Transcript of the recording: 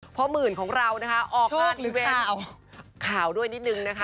โชคยิบข่าวพ่อหมื่นของเราออกงานข่าวด้วยนิดนึงนะคะ